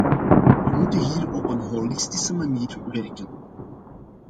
We moeten hier op een holistische manier werken.